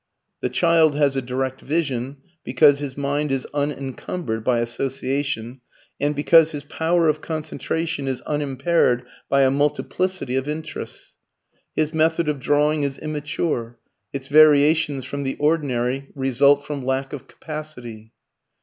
The child has a direct vision, because his mind is unencumbered by association and because his power of concentration is unimpaired by a multiplicity of interests. His method of drawing is immature; its variations from the ordinary result from lack of capacity.